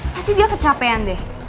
pasti dia kecapean deh